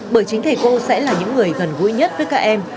bởi chính thầy cô sẽ là những người gần gũi nhất với các em